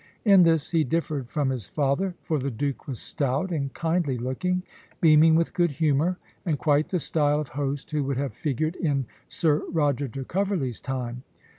In this he differed from his father, for the Duke was stout and kindly looking, beaming with good humour, and quite the style of host who would have figured in Sir Roger de Coverley's time.